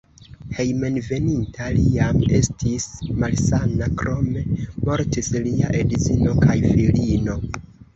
Hejmenveninta li jam estis malsana, krome mortis lia edzino kaj filino.